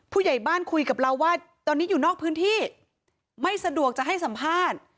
ผู้ใหญ่บ้านคุยกับเราว่าตอนนี้อยู่นอกพื้นที่ไม่สะดวกจะให้สัมภาษณ์